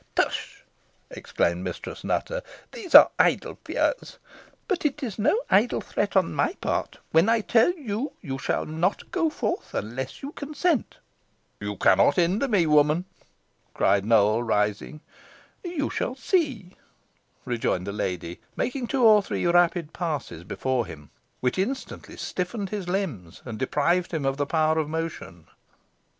"Tush!" exclaimed Mistress Nutter; "these are idle fears. But it is no idle threat on my part, when I tell you you shall not go forth unless you consent." "You cannot hinder me, woman," cried Nowell, rising. "You shall see," rejoined the lady, making two or three rapid passes before him, which instantly stiffened his limbs, and deprived him of the power of motion.